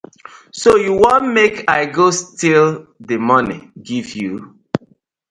So you want mek I go still di money giv you?